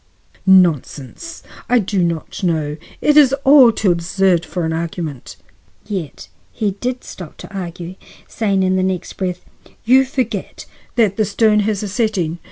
"Nonsense! I do not know; it is all too absurd for argument." Yet he did stop to argue, saying in the next breath: "You forget that the stone has a setting.